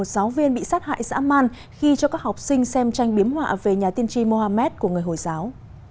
giáo viên bị sát hại dã man khi cho các học sinh xem tranh biếm họa về nhà tiên tri mohammed của người hồi giáo